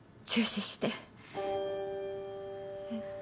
えっ？